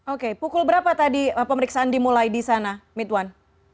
oke pukul berapa tadi pemeriksaan dimulai di sana mitwan